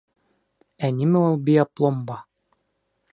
Ә нимә ул биопломба?